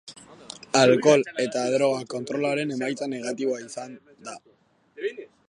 Alkohol eta droga kontrolaren emaitza negatiboa izan da.